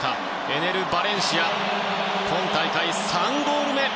エネル・バレンシア今大会３ゴール目。